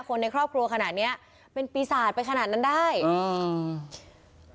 คนในครอบครัวขนาดเนี้ยเป็นปีศาจไปขนาดนั้นได้อืม